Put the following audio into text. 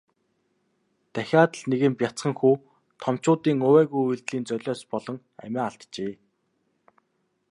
Дахиад л нэгэн бяцхан хүү томчуудын увайгүй үйлдлийн золиос болон амиа алджээ.